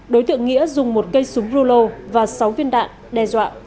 đối tượng nghĩa dùng một cây súng rô lô và sáu viên đạn đe dọa